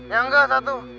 ya enggak satu